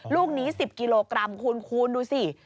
ลูกนี้๑๐กิโลกรัมคุณดูสิ